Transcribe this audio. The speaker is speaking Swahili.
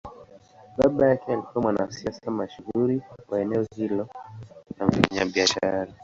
Baba yake alikuwa mwanasiasa mashuhuri wa eneo hilo na mfanyabiashara.